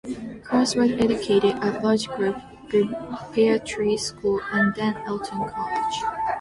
Cross was educated at Ludgrove Preparatory School and then Eton College.